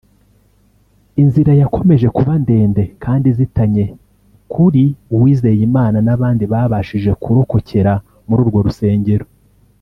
Inzira yakomeje kuba ndende kandi izitanye kuri Uwizeyimana n’abandi babashije kurokokera muri urwo rusengero